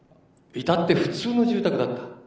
至って普通の住宅だった。